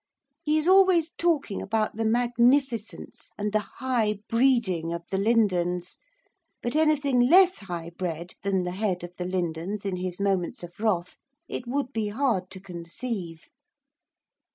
He is always talking about the magnificence, and the high breeding of the Lindons, but anything less high bred than the head of the Lindons, in his moments of wrath, it would be hard to conceive.